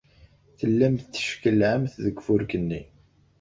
Tellamt teckellɛemt deg ufurk-nni.